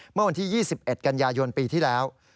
เมื่อวันที่๒๑กันยายนปีที่แล้ว